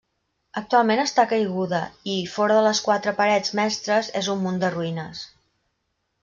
Actualment està caiguda, i, fora de les quatre parets mestres, és un munt de ruïnes.